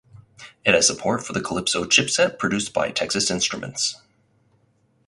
It has support for the Calypso chipset produced by Texas Instruments.